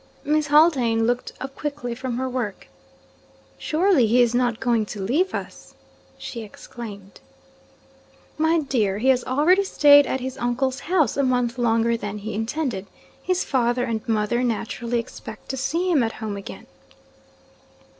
Miss Haldane looked up quickly from her work. 'Surely he is not going to leave us!' she exclaimed. 'My dear! he has already stayed at his uncle's house a month longer than he intended. His father and mother naturally expect to see him at home again.'